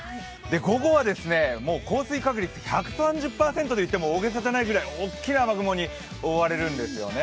午後は降水確率１３０％と言っても大げさではないぐらい大きな雨雲に覆われるんですよね。